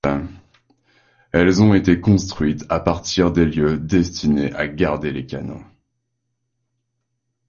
Elles ont été construites à partir des lieux destinés à garder les cannons.